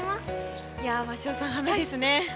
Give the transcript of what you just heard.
鷲尾さん、雨ですね。